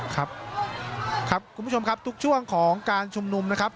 ครับครับคุณผู้ชมครับทุกช่วงของการชุมนุมนะครับ